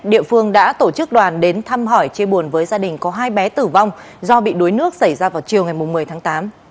địa phương đã tổ chức đoàn đến thăm hỏi chia buồn với gia đình có hai bé tử vong do bị đuối nước xảy ra vào chiều ngày một mươi tháng tám